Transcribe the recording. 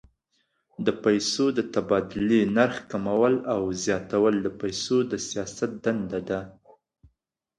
د پیسو د تبادلې نرخ کمول او زیاتول د پیسو د سیاست دنده ده.